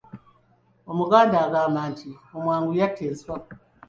Omuganda agamba nti, “Omwangu yatta enswa.”